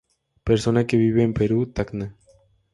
Persona que vive en Perú-Tacna